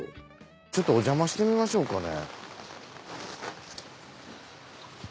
ちょっとおじゃましてみましょうかね。